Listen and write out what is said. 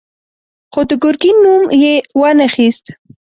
خو د ګرګين نوم يې وانه خيست.